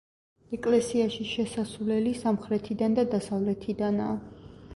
ეკლესიაში შესასვლელი სამხრეთიდან და დასავლეთიდანაა.